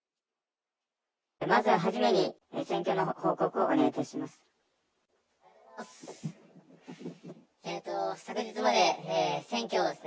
まずは初めに選挙の報告をお願いいたします。